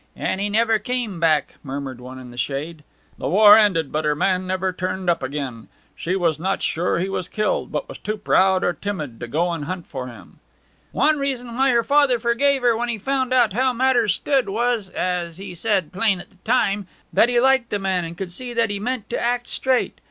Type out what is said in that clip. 'And he never came,' murmured one in the shade. 'The war ended but her man never turned up again. She was not sure he was killed, but was too proud, or too timid, to go and hunt for him.' 'One reason why her father forgave her when he found out how matters stood was, as he said plain at the time, that he liked the man, and could see that he meant to act straight.